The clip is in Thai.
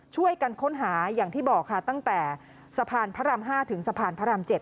ช่วยกันค้นหาอย่างที่บอกค่ะตั้งแต่สะพานพระราม๕ถึงสะพานพระราม๗